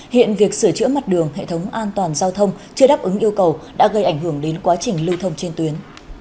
hiện việc sửa chữa mặt đường hệ thống an toàn giao thông chưa đáp ứng yêu cầu đã gây ảnh hưởng đến quá trình lưu thông trên tuyến